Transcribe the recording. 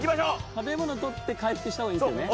食べ物取って回復した方がいいんですよね？